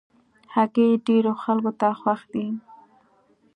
هګۍ ډېرو خلکو ته خوښ دي.